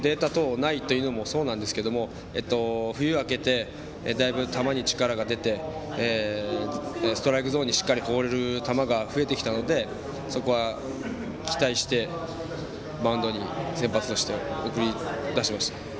データなどがないというのもそうなんですけど冬明けて、だいぶ球に力が出てストライクゾーンにしっかり放れる球が増えてきたのでそこは期待してマウンドに先発として送り出しました。